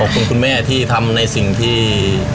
ขอบคุณคุณแม่ที่ทำในสิ่งที่